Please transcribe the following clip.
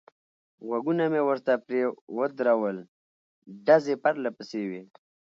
غوږونه مې ورته پرې ودرول، ډزې پرله پسې وې.